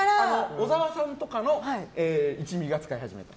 小沢さんとかの一味が使い始めた。